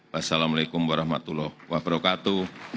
wassalamu'alaikum warahmatullahi wabarakatuh